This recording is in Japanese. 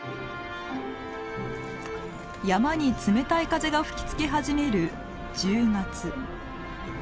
山に冷たい風が吹きつけ始める１０月。